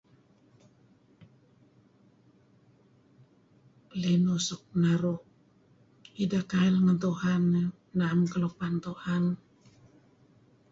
Linuh suk naru' ideh kail ngen Tuhan naem kelupan Tuhan.